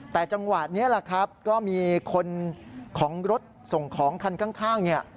แต่จังหวะนี้แหละครับก็มีคนของรถส่งของคันข้างเนี่ย